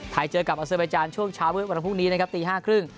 ไทยเจอกับอาซิบาลิจารณ์ช่วงเช้าเมื่อวันพรุ่งนี้นะครับตี๕๓๐น